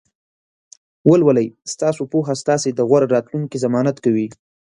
ولولئ! ستاسې پوهه ستاسې د غوره راتلونکي ضمانت کوي.